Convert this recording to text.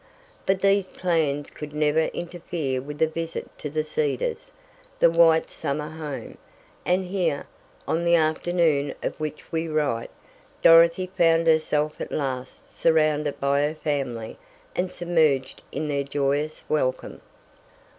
But these plans could never interfere with a visit to the Cedars, the White's summer home, and here, on the afternoon of which we write, Dorothy found herself at last surrounded by her family, and submerged in their joyous welcome.